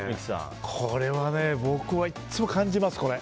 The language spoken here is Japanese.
これは僕、いつも感じます。